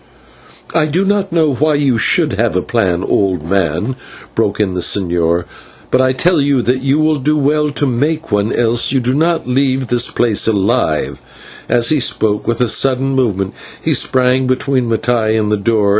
"I do not know why you should have a plan, old man," broke in the señor; "but I tell you that you will do well to make one, else you do not leave this place alive" and as he spoke, with a sudden movement, he sprang between Mattai and the door.